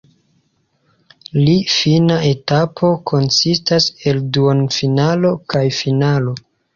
Li fina etapo konsistas el duonfinalo kaj finalo.